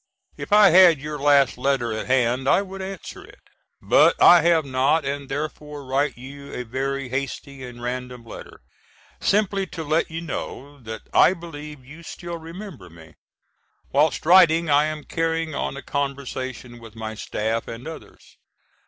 If I had your last letter at hand I would answer it. But I have not and therefore write you a very hasty and random letter, simply to let you know that I believe you still remember me. Whilst writing I am carrying on a conversation with my Staff and others.